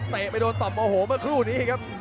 เตะไปโดนตอบโมโหเมื่อครู่นี้นะครับ